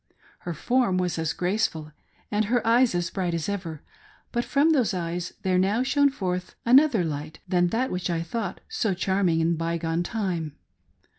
Her form was as graceful, and her eyes as bright as ever ; but from those eyes there now shone forth another light than that which I had thought so charming in the by gone time.